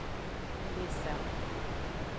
Ng be sa.